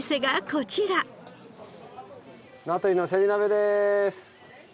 名取のせり鍋でーす。